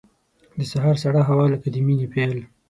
د سهار سړه هوا لکه د مینې پیل.